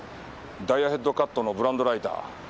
ダイヤヘッド・カットのブランドライター。